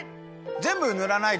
ぜんぶぬらないでね。